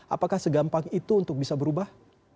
apakah segampang itu untuk bisa berubah